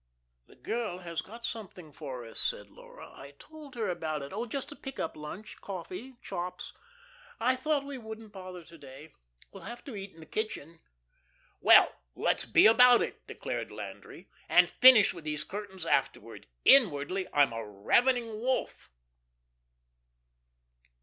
"The girl has got something for us," said Laura. "I told her about it. Oh, just a pick up lunch coffee, chops. I thought we wouldn't bother to day. We'll have to eat in the kitchen." "Well, let's be about it," declared Landry, "and finish with these curtains afterward. Inwardly I'm a ravening wolf."